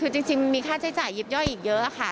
คือจริงมีค่าใช้จ่ายยิบย่อยอีกเยอะค่ะ